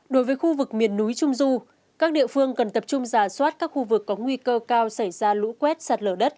đối với khu vực miền núi trung du các địa phương cần tập trung giả soát các khu vực có nguy cơ cao xảy ra lũ quét sạt lở đất